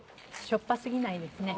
しょっぱすぎないですね。